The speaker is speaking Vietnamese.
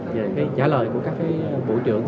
về cái trả lời của các bộ trưởng